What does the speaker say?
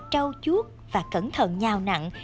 trau chuốt và cẩn thận nhào nặng